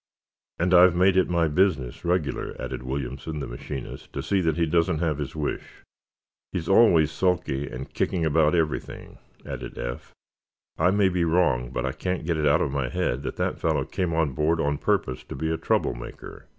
"And I've made it my business, regular," added Williamson, the machinist, "to see that he doesn't have his wish." "He's always sulky, and kicking about everything," added Eph. "I may be wrong, but I can't get it out of my head that the fellow came aboard on purpose to be a trouble maker."